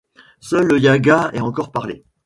Seul le yagua est encore parlé.